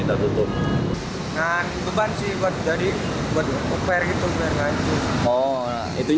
itu akibat pakan